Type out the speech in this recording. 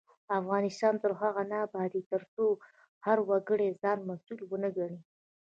افغانستان تر هغو نه ابادیږي، ترڅو هر وګړی ځان مسؤل ونه ګڼي.